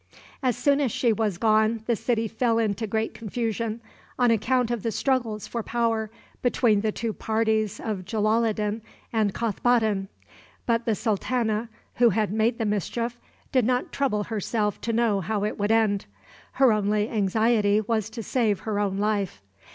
As soon as she was gone the city fell into great confusion on account of the struggles for power between the two parties of Jalaloddin and Kothboddin. But the sultana, who had made the mischief, did not trouble herself to know how it would end. Her only anxiety was to save her own life.